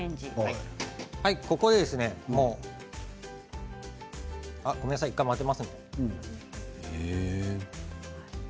ここでごめんなさい、１回混ぜますね。